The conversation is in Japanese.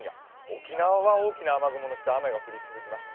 沖縄は大きな雲の下、雨が降り続けます。